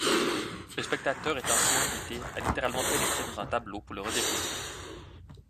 Le spectateur est ainsi invité à littéralement pénétrer dans un tableau pour le redécouvrir.